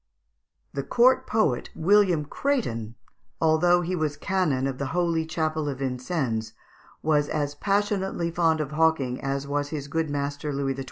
The court poet, William Crétin, although he was Canon of the holy chapel of Vincennes, was as passionately fond of hawking as his good master Louis XII.